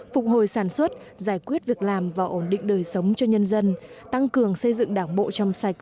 phục hồi sản xuất giải quyết việc làm và ổn định đời sống cho nhân dân tăng cường xây dựng đảng bộ trong sạch